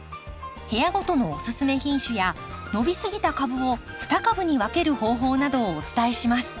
部屋ごとのおすすめ品種や伸びすぎた株を２株に分ける方法などをお伝えします。